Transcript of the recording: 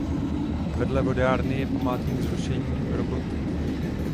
Vedle vodárny je památník zrušení roboty.